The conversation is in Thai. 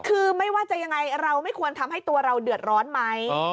คือไม่ว่าจะยังไงเราไม่ควรทำให้ตัวเราเดือดร้อนไหม